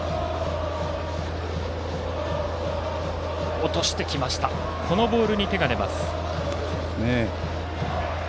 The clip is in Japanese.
落としてきたこのボールに手が出ます。